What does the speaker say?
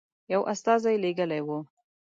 یو استازی لېږلی وو.